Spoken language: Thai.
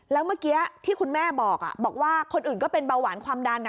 แล้วเมื่อกี้ที่คุณแม่บอกว่าคนอื่นก็เป็นเบาหวานความดัน